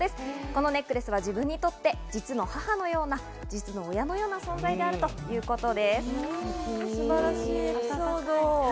このネックレスは自分にとって、実の母のような、実の親のようなすばらしいエピソード。